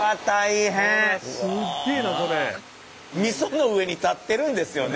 味噌の上に立ってるんですよね？